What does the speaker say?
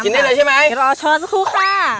กินได้เลยใช่ไหม